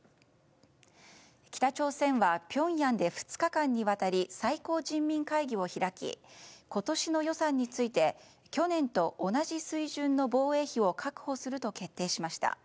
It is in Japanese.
北朝鮮はピョンヤンで２日間にわたり最高人民会議を開き今年の予算について去年と同じ水準の防衛費を確保すると決定しました。